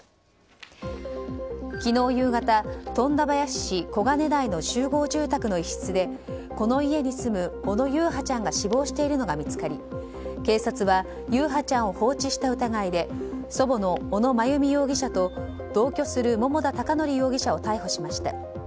昨日夕方、富田林市小金台の集合住宅の一室でこの家に住む小野優陽ちゃんが死亡しているのが見つかり警察は優陽ちゃんを放置した疑いで祖母の小野真由美容疑者と同居する桃田貴徳容疑者を逮捕しました。